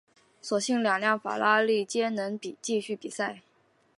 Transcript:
所幸两辆法拉利皆能继续比赛。